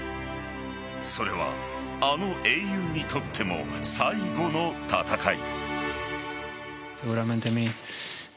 それはあの英雄にとっても最後の戦い。